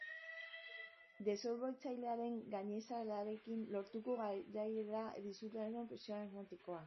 Disolbatzailearen gainazalarekin lortutako garaiera da disoluzioaren presio osmotikoa.